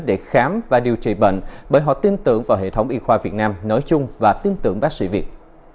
để khám và điều trị bệnh bởi họ tin tưởng vào hệ thống y khoa việt nam nói chung và tin tưởng bác sĩ việt